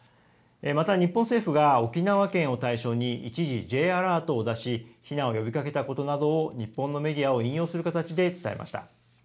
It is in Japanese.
また日本政府が沖縄県を対象に一時、Ｊアラートを出し、避難を呼びかけたことなどを日本のメディアを引用する形で伝えました。